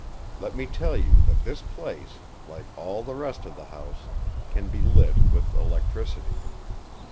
Let me tell you that this place, like all the rest of the house, can be lit with electricity.